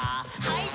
はい。